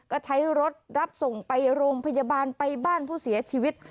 ก็ใช้รถรับส่งไปโรงพยาบาลไปบ้านผู้เสียชีวิต